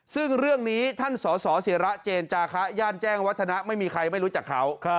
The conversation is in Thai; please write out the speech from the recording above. ซึ่งเรื่องนี้ท่านสสิระเจนจาคะย่านแจ้งวัฒนะไม่มีใครไม่รู้จักเขา